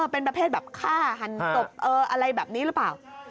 เป็นประเภทแบบฆ่าหันศพอะไรแบบนี้หรือเปล่า